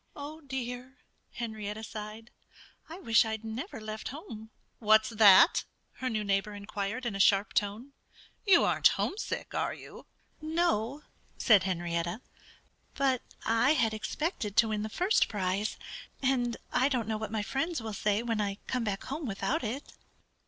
"Oh, dear!" Henrietta sighed. "I wish I'd never left home." "What's that?" her neighbor inquired in a sharp tone. "You aren't homesick, are you?" "N no!" said Henrietta. "But I had expected to win the first prize. And I don't know what my friends will say when I come back home without it."